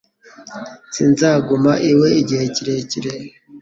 Sinzaguma iwe igihe kirekire